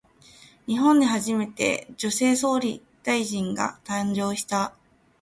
日本で初めて、女性総理大臣が誕生した。